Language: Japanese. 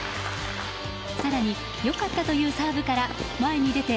更に、良かったというサーブから前に出て